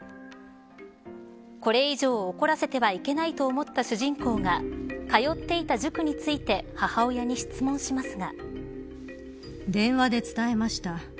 これ以上怒らせてはいけないと思った主人公が通っていた塾について母親に質問しますが。